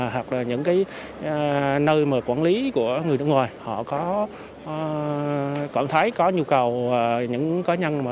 hoặc là những cái nơi mà quản lý của người nước ngoài họ có cảm thấy có nhu cầu những cá nhân mà